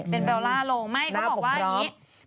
เป็นเบลล่าลงไม่เขาบอกว่าอย่างนี้